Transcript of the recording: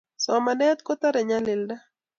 Somanet kutare nyalilda